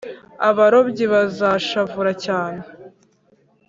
Abarobyi bazashavura cyane